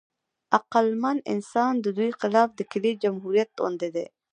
عقلمن انسان د دوی خلاف د کیلې جمهوریت غوندې دی.